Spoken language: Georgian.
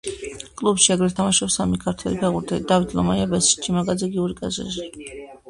კლუბში აგრეთვე თამაშობს სამი ქართველი ფეხბურთელი: დავით ლომაია, ბესიკ ჩიმაკაძე და გიორგი კაჭკაჭიშვილი.